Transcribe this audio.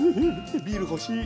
ビール欲しい。